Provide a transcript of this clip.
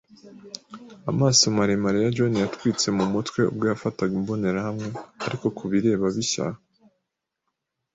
Amaso maremare ya John yatwitse mumutwe ubwo yafataga imbonerahamwe, ariko kubireba bishya